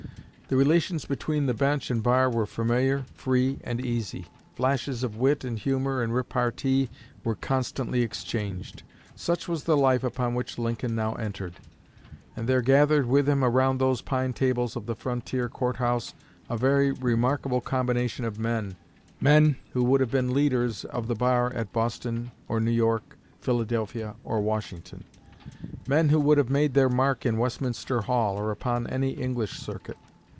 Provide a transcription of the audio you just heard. The relations between the bench and bar were familiar, free and easy. Flashes of wit and humor and repartee were constantly exchanged. Such was the life upon which Lincoln now entered; and there gathered with him around those pine tables of the frontier court house a very remarkable combination of men, men who would have been leaders of the bar at Boston or New York, Philadelphia or Washington; men who would have made their mark in Westminster Hall, or upon any English circuit.